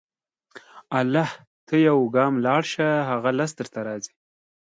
الله ته یو ګام لاړ شه، هغه لس درته راځي.